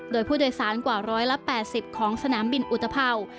โดยผู้โดยสารกว่าร้อยละ๘๐ของสนามบินอุตพร้าว